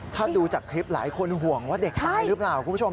ถ้าดูจากคลิปหลายคนห่วงว่าเด็กตายหรือเปล่าคุณผู้ชม